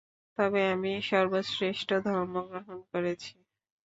তবে আমি সর্বশ্রেষ্ঠ ধর্ম গ্রহণ করেছি।